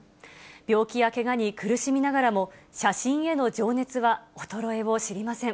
病気やけがに苦しみながらも、写真への情熱は衰えを知りません。